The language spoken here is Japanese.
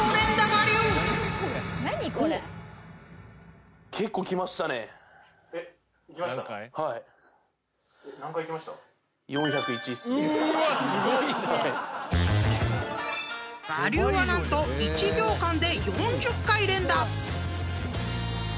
［我流は何と１秒間で４０回連打］